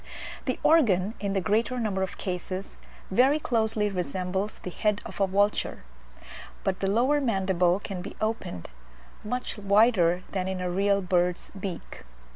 The organ, in the greater number of cases, very closely resembles the head of a vulture; but the lower mandible can be opened much wider than in a real bird's beak.